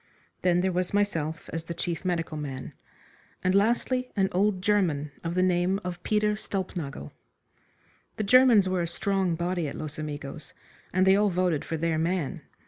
Then there was myself as the chief medical man, and lastly an old German of the name of Peter Stulpnagel. The Germans were a strong body at Los Amigos, and they all voted for their man.